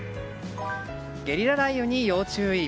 ゲリラ雷雨に要注意。